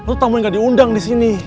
lu tamu yang ga diundang disini